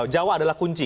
jawa adalah kunci